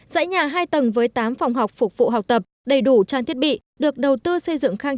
dãy nhà hai tầng với tám phòng học phục vụ học tập đầy đủ trang thiết bị được đầu tư xây dựng khang